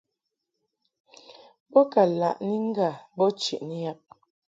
Bo ka laʼni ŋgâ bo cheʼni yab.